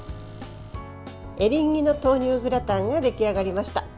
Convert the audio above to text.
エリンギの豆乳グラタンが出来上がりました。